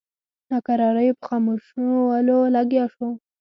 ناکراریو په خاموشولو لګیا شو.